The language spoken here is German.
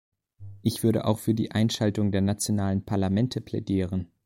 Ich würde auch für die Einschaltung der nationalen Parlamente plädieren.